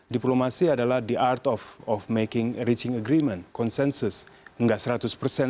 diplomasi adalah arti mencapai persetujuan